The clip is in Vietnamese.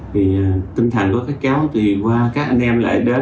vì tinh thần của các cháu thì qua các anh em lại đến